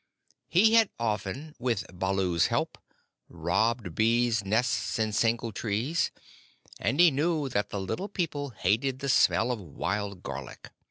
He had often, with Baloo's help, robbed bees' nests in single trees, and he knew that the Little People hated the smell of wild garlic.